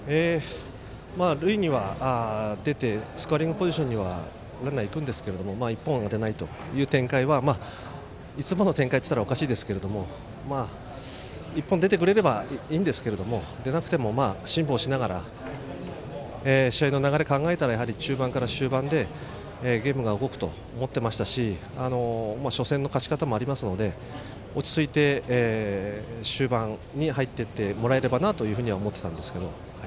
塁には出てスコアリングポジションにはランナーいくんですけれども１本が出ないという展開はいつもの展開といったらおかしいですけど１本出てくれればいいんですけど出なくても辛抱しながら試合の流れを考えたら中盤から終盤でゲームが動くと思ってましたし初戦の勝ち方もありますので落ち着いて終盤に入っていってもらえればなと、思ってたんですけど。